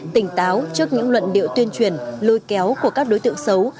tỉnh táo trước những luận điệu tuyên truyền lôi kéo của các đối tượng xấu